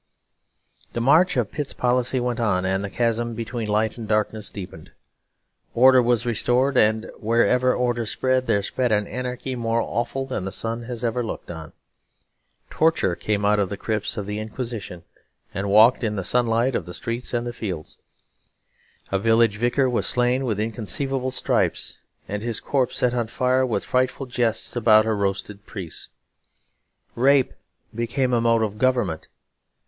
The march of Pitt's policy went on; and the chasm between light and darkness deepened. Order was restored; and wherever order spread, there spread an anarchy more awful than the sun has ever looked on. Torture came out of the crypts of the Inquisition and walked in the sunlight of the streets and fields. A village vicar was slain with inconceivable stripes, and his corpse set on fire with frightful jests about a roasted priest. Rape became a mode of government.